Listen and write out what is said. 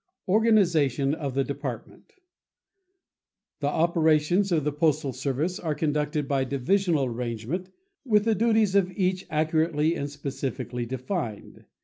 ORGANIZATION OF THE DEPARTMENT The operations of the postal service are conducted by divisional arrangement with the duties of each accurately and specifically defined.